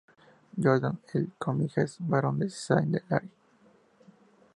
Jordán de Cominges, barón de Saint-Lary.